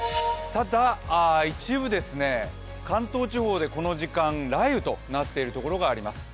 ただ、一部、関東地方でこの時間雷雨となっているところがあります。